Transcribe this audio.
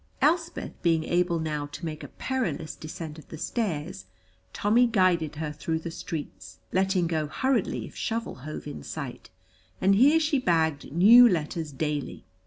Elspeth being able now to make the perilous descent of the stairs, Tommy guided her through the streets (letting go hurriedly if Shovel hove in sight), and here she bagged new letters daily.